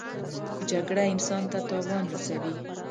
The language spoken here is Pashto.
جګړه انسان ته تاوان رسوي